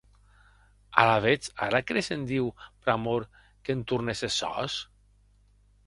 Alavetz, ara cres en Diu, pr'amor qu'entornes es sòs?